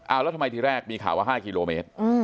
เอาแล้วทำไมทีแรกมีข่าวว่า๕กิโลเมตร